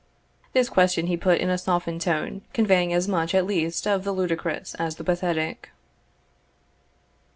This question he put in a softened tone, conveying as much at least of the ludicrous as the pathetic.